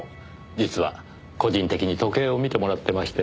実は個人的に時計を見てもらってまして。